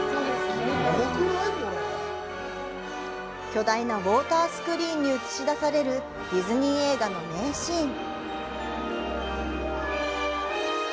巨大なウォータースクリーンに映し出されるディズニー映画の名シーン。